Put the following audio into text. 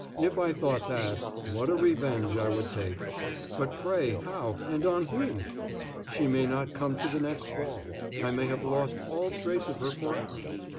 If I thought that, what a revenge I would take! But pray, how and on whom? She may not come to the next ball; I may have lost all trace of her forever.